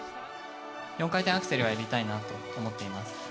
４回転アクセルは入れたいなと思っています。